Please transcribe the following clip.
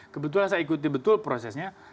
kebetulan saya ikuti betul prosesnya